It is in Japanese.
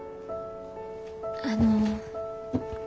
あの。